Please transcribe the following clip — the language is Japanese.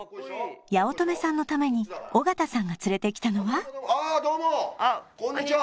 八乙女さんのために尾形さんが連れてきたのはあどうも・こんにちは